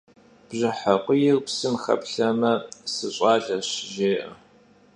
Bjjen khuiyr psım xeplheme, «sış'aleş» jjê'e.